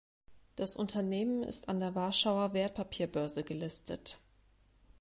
Das Unternehmen ist an der Warschauer Wertpapierbörse gelistet.